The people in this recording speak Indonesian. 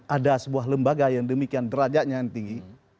ada sebuah lembaga yang demikian derajatnya yang tinggi